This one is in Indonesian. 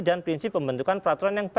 dan prinsip pembentukan peraturan